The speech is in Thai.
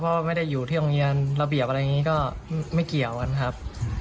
เพราะไม่ได้อยู่ที่โรงเรียนระเบียบอะไรอย่างนี้ก็ไม่เกี่ยวกันครับ